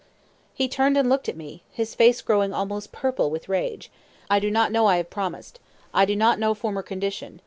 He turned and looked at me, his face growing almost purple with rage. "I do not know I have promised. I do not know former condition.